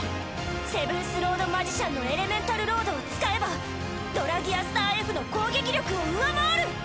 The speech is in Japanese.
セブンスロード・マジシャンのエレメンタルロードを使えばドラギアスターＦの攻撃力を上回る！